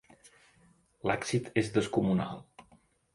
L'èxit és descomunal.